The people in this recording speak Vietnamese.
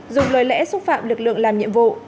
dùng lời lẽ xúc phạm lực lượng làm nhiệm vụ